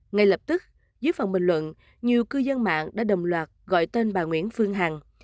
ngay lập tức dưới phần bình luận nhiều cư dân mạng đã đồng loạt gọi tên bà nguyễn phương hằng